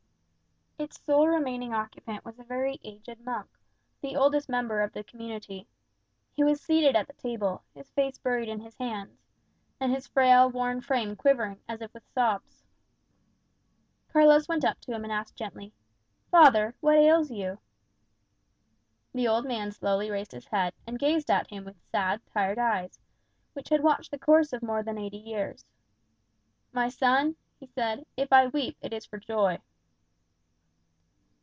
Its sole remaining occupant was a very aged monk, the oldest member of the community. He was seated at the table, his face buried in his hands, and his frail, worn frame quivering as if with sobs. Carlos went up to him and asked gently, "Father, what ails you?" The old man slowly raised his head, and gazed at him with sad, tired eyes, which had watched the course of more than eighty years. "My son," he said, "if I weep, it is for joy."